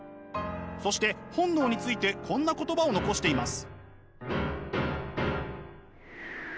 そして本能についてこんな言葉を残しています。